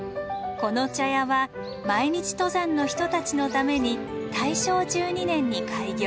この茶屋は毎日登山の人たちのために大正１２年に開業。